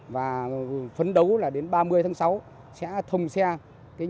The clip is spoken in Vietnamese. và phấn đấu đến ba mươi tháng sáu sẽ thông xe nhánh từ hoàng minh giám đi đường nguyễn tây sơn